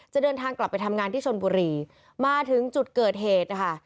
จะเดินทางกลับไปทำงานที่ชนบุรีมาถึงจุดเกิดเหตุนะคะ